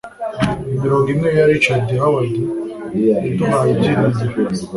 Imirongo imwe ya Richard Howard yaduhaye ibyiringiro